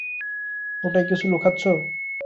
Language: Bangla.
ওটায় কিছু লুকাচ্ছো?